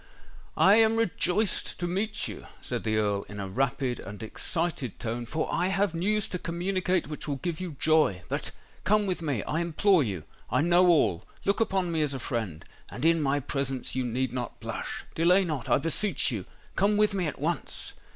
"I am rejoiced to meet you," said the Earl in a rapid and excited tone; "for I have news to communicate which will give you joy! But—come with me—I implore you—I know all—look upon me as a friend—and in my presence you need not blush. Delay not—I beseech you—come with me at once!"